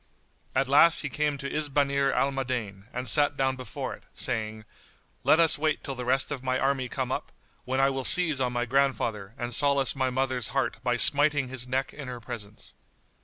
At last he came to Isbanir al Madain and sat down before it, saying, "Let us wait till the rest of my army come up, when I will seize on my grandfather and solace my mother's heart by smiting his neck in her presence."